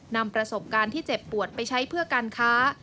นำประสบการณ์ที่เจ็บปวดไปใช้เพื่อการค้า